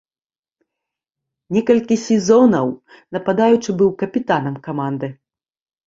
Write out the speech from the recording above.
Некалькі сезонаў нападаючы быў капітанам каманды.